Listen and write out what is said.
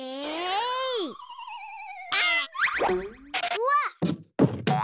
うわっ！